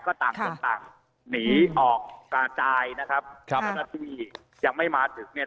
ก็ต่างหนีออกกระจายนะครับแล้วก็ที่ยังไม่มาถึงเนี่ย